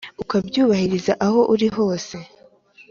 ukabyubahirwa aho uri hose